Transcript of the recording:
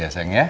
oke sayang ya